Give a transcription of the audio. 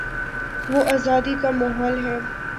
وہ آزادی کا ماحول ہے۔